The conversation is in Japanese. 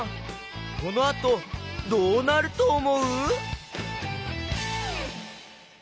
このあとどうなるとおもう？